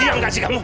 iya mas sebentar